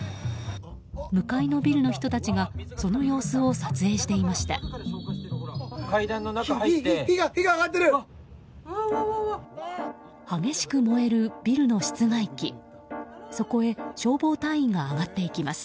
向かいのビルの人たちがその様子を撮影していました。